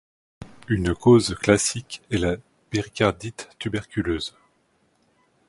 Une cause classique est la péricardite tuberculeuse.